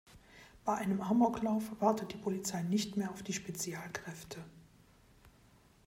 Bei einem Amoklauf wartet die Polizei nicht mehr auf die Spezialkräfte.